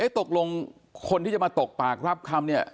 ตกลงคนที่จะมาตกปากรับคำเนี่ย